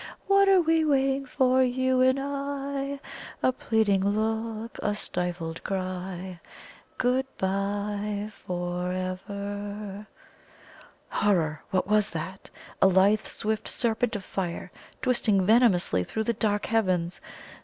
What are we waiting for, you and I? A pleading look a stifled cry! Good bye for ever " Horror! what was that? A lithe swift serpent of fire twisting venomously through the dark heavens!